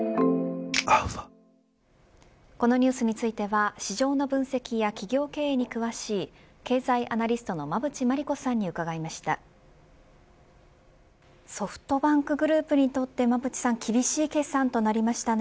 このニュースについては市場の分析や企業経営に詳しい経済アナリストの馬渕磨理子さんに伺いました。